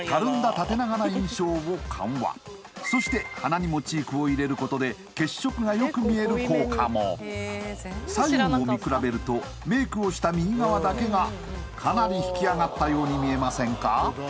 縦長な印象を緩和そして鼻にもチークを入れることで血色がよく見える効果も左右を見比べるとメイクをした右側だけがかなり引き上がったように見えませんか？